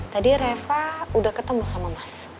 tadi reva udah ketemu sama mas